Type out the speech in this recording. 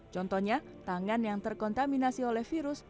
contohnya tangan yang terkontaminasi oleh virus